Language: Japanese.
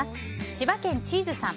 千葉県の方。